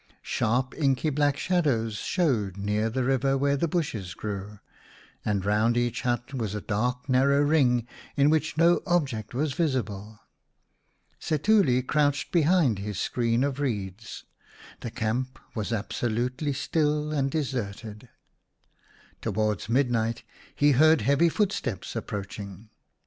Sharp inky black shadows showed near the river where the bushes grew, and round each hut was a dark narrow ring in which no object was visible. Setuli crouched behind his screen of reeds ; the camp was absolutely still and deserted. Towards midnight he heard heavy footsteps approaching.